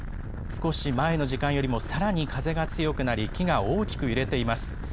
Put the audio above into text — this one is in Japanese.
少し前の時間よりもさらに風が強くなり、木が大きく揺れています。